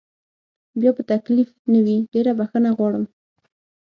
بیا به تکلیف نه وي، ډېره بخښنه غواړم.